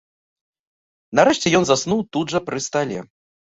Нарэшце ён заснуў тут жа пры стале.